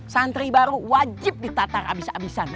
santri baru wajib ditatar abis abisan